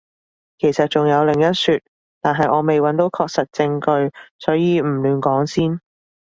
其實仲有另一說，但係我未揾到確實證據，所以唔亂講先